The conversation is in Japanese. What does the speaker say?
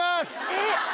えっ。